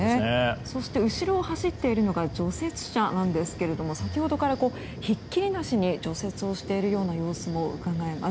そして、後ろを走っているのが除雪車なんですが先ほどから、ひっきりなしに除雪をしているような様子もうかがえます。